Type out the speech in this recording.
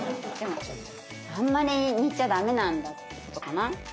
あんまり煮ちゃダメなんだってことかな？